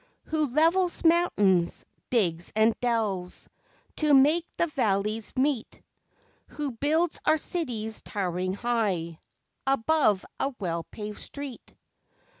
Who levels mountains, digs and delves To make the valleys meet, Who builds our cities towering high Above a well paved street